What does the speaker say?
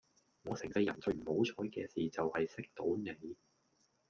我成世人最唔好彩既事就係識到你